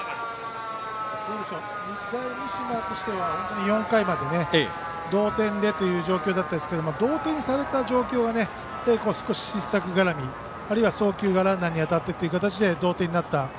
日大三島としては４回まで同点でという状況だったんですけど同点にされた状況が少し失策絡みあるいは送球がランナーに当たってという形で同点になった。